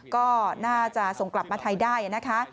ก็น่าจะส่งกลับมาไทยได้นะคะ